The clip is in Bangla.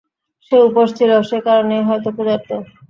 সে উপোস ছিল, সেকারণে হয়তো ক্ষুধার্ত।